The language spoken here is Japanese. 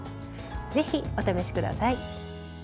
ぜひお試しください。